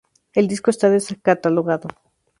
El disco está descatalogado.